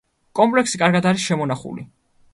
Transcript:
კომპლექსი კარგად არის შემონახული.